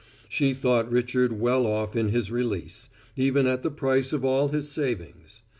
She thought Richard well off in his release, even at the price of all his savings.